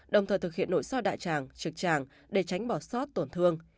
đồng thời thực hiện nội soi đại tràng trực tràng để tránh bỏ sót tổn thương